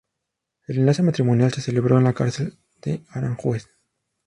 El enlace matrimonial se celebró en la cárcel de Aranjuez.